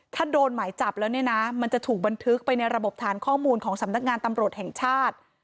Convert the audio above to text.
ถ้าโดนหมายจับแล้วเนี่ยนะมันจะถูกบันทึกไปในระบบฐานข้อมูลของสำนักงานตำรวจแห่งชาติ